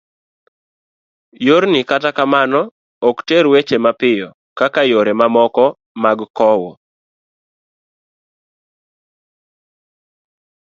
yorni kata kamano, ok ter weche mapiyo kaka yore mamoko mag kowo